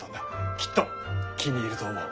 きっと気に入ると思う。